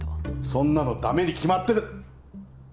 そんなの駄目に決まってる。